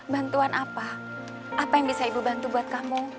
bantuan apa apa yang bisa ibu bantu buat kamu